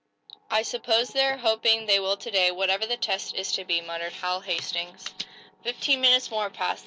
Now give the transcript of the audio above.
"I suppose they're hoping they will to day, whatever the test is to be," muttered Hal Hastings. Fifteen minutes more passed.